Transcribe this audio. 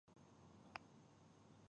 حشمتي د پريګلې له خبرو په تنګ شو